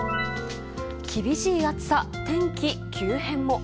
厳しい暑さ、天気急変も。